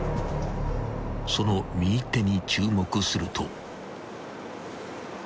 ［その右手に注目すると］